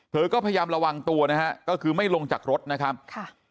เธอก็พยายามระวังตัวนะฮะก็คือไม่ลงจากรถนะครับค่ะ